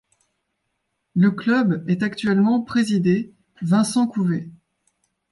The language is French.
Le club est actuellement présidé Vincent Couvé.